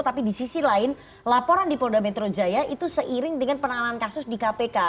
tapi di sisi lain laporan di polda metro jaya itu seiring dengan penanganan kasus di kpk